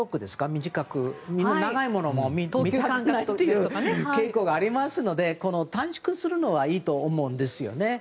短く長いものは見たくないという傾向がありますので短縮するのはいいと思うんですよね。